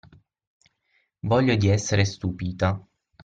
Voglio di essere stupita.